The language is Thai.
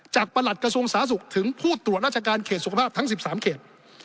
ประหลัดกระทรวงสาธารณสุขถึงผู้ตรวจราชการเขตสุขภาพทั้ง๑๓เขต